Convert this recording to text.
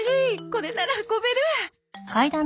これなら運べる！